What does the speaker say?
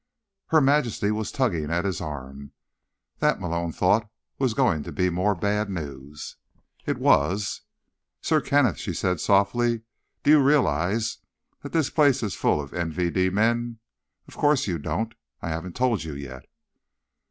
Her Majesty was tugging at his arm. That, Malone thought, was going to be more bad news. It was. "Sir Kenneth," she said softly, "do you realize that this place is full of MVD men? Of course you don't; I haven't told you yet."